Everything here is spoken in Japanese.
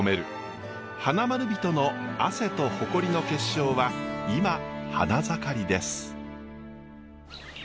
花まる人の汗と誇りの結晶は今花盛りです。